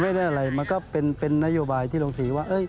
ไม่ได้อะไรมันก็เป็นนโยบายที่โรงสีว่า